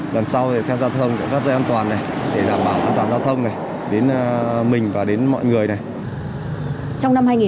lần sau thì tham gia giao thông cắt dây an toàn để đảm bảo an toàn giao thông đến mình và đến mọi người